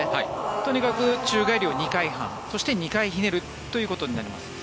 とにかく宙返りを２回半２回ひねることになります。